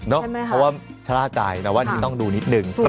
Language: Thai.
ใช่ไหมคะเพราะว่าชะล่าใจแต่ว่าต้องดูนิดหนึ่ง